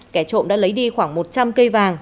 kẻ trộm đã lấy đi khoảng một trăm linh cây vàng